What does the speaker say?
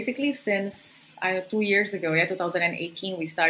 dua ribu delapan belas kita mencari penyelenggaraan yang berkelanjutan